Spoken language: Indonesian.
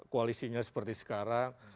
koalisinya seperti sekarang